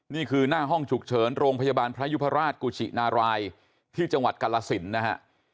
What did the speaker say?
นี่คือหน้าห้องฉุกเฉินโรงพยาบาลพระยุพราชกุชินารายที่จังหวัดกาลสินนะฮะ